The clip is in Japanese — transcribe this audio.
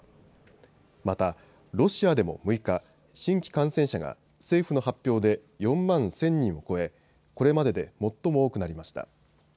また、ロシアでも６日、新規感染者が政府の発表で４万１０００人を超えこれまでで最も多くなりました。